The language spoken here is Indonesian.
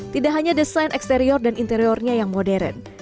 tidak hanya desain eksterior dan interiornya yang modern